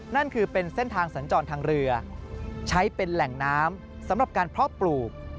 นั่นคือเป็นเส้นทางสัญจรทางเรือใช้เป็นแหล่งน้ำสำหรับการเพาะปลูก